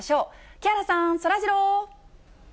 木原さん、そらジロー。